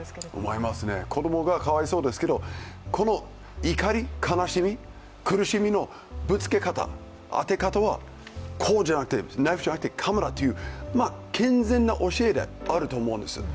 思いますね、子供がかわいそうですけれどもこの怒り、悲しみ、苦しみのぶつけ方、当て方はナイフじゃなくてカメラという健全な教えであると思うんですね。